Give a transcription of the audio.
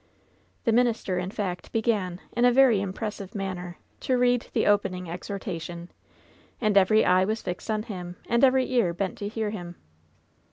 The minister, in fact, began, in a very impressive manner, to read the opening exhortation, and every eye was fixed upon him and every ear bent to hear him.